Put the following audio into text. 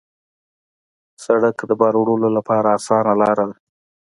سړک د بار وړلو لپاره اسانه لاره ده.